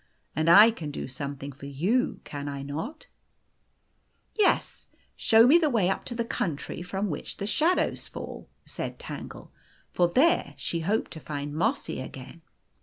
" And I can do something for you, can I not ?'" Yes show me the way up to the country from which the shadows fall," said Tangle. For there she hoped to find Mossy again.